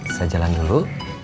saya jalan dulu